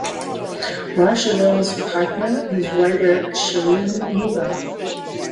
Rosheuvel’s partner is writer Shireen Mula.